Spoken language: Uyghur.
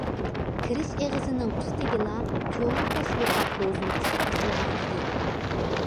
كىرىش ئېغىزىنىڭ ئۈستىگىلا چوڭ تەشۋىقات لوزۇنكىسى ئېسىلغانىدى.